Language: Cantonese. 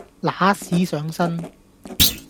揦屎上身